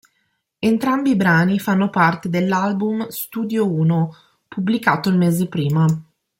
Entrambi i brani fanno parte dell'album "Studio Uno" pubblicato il mese prima.